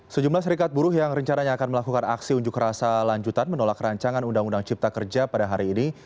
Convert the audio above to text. sejumlah serikat buruh yang rencananya akan melakukan aksi unjuk rasa lanjutan menolak rancangan undang undang cipta kerja pada hari ini